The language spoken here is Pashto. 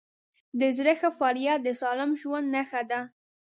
د زړه ښه فعالیت د سالم ژوند نښه ده.